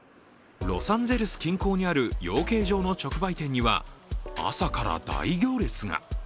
ロサンゼルス近郊にある養鶏場の直売店には朝から大行列が。